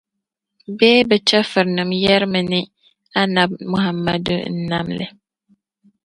Bee bɛ chɛfurinim yεrimi ni Annabi Muhammadu n-nam li.